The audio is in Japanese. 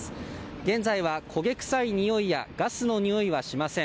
現在は焦げ臭いにおいやガスのにおいはしません。